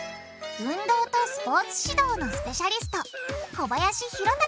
運動とスポーツ指導のスペシャリスト小林博隆